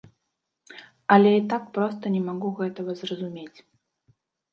Але і так проста не магу гэтага зразумець.